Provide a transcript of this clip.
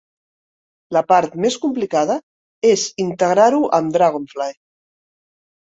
La part més complicada és integrar-ho amb Dragonfly.